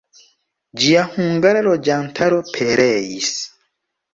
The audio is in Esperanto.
Ĝia hungara loĝantaro pereis.